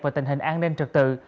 về tình hình an ninh trật tự